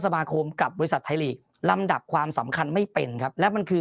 สมาคมกับบริษัทไทยลีกลำดับความสำคัญไม่เป็นครับและมันคือ